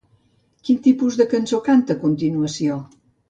Quin tipus de cançó canta a continuació?